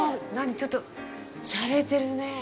ちょっとしゃれてるねえ。